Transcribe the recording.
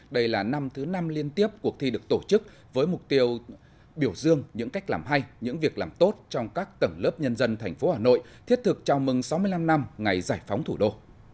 đây là năm thứ năm liên tiếp cuộc thi được tổ chức với mục tiêu biểu dương những cách làm hay những việc làm tốt trong các tầng lớp nhân dân thành phố hà nội thiết thực chào mừng sáu mươi năm năm ngày giải phóng thủ đô